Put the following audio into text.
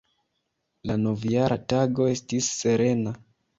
La Novjara Tago estis serena.